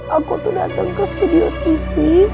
aku tuh datang ke studio tv